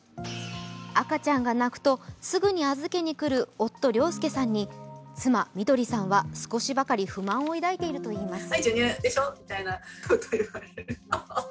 赤ちゃんが泣くとすぐに預けに来る夫・良輔さんに妻・緑さんは少しばかり不満を抱いているといいます。